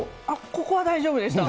ここは大丈夫でした。